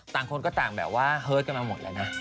ต่างคนก็ต่างแบบว่าเฮิร์ตกันมาหมดแล้วนะ